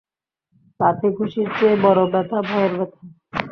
লাথি ঘুষির চেয়ে বড়ো ব্যথা ভয়ের ব্যথা!